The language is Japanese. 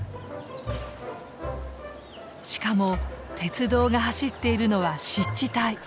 しかも鉄道が走っているのは湿地帯。